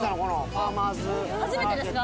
初めてですか？